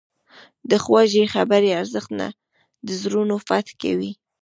د خوږې خبرې ارزښت د زړونو فتح کوي.